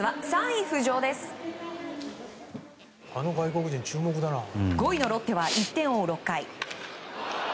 ５位のロッテは１点を追う６回。